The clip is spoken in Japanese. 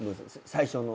最初の。